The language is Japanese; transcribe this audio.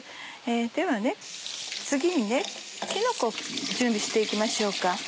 では次にきのこを準備して行きましょうか。